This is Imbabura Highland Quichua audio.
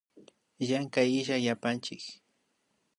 Llankay illak yapachik